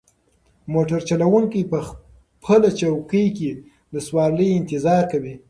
موټر چلونکی په خپله چوکۍ کې د سوارلۍ انتظار کوي.